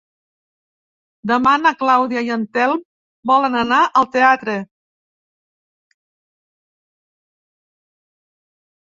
Demà na Clàudia i en Telm volen anar al teatre.